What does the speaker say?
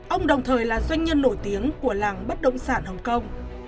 ông đồng thời là doanh nhân nổi tiếng của làng bất động sản hồng kông